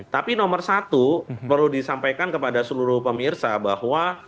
tapi nomor satu perlu disampaikan kepada seluruh pemirsa bahwa